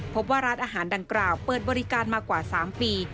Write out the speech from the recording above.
พบว่าร้านอาหารดังกล่าวเปิดบริการมากว่า๓ปี